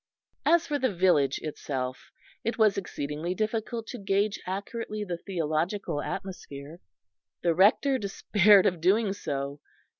As for the village itself, it was exceedingly difficult to gauge accurately the theological atmosphere. The Rector despaired of doing so.